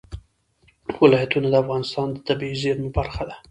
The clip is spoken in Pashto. ولایتونه د افغانستان د طبیعي زیرمو برخه ده.